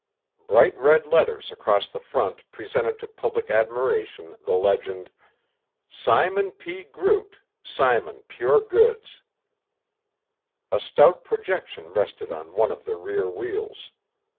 Bright red letters across the front presented to public admiration the legend: SIMON P. GROOT SIMON PURE GOODS A stout projection rested on one of the rear wheels.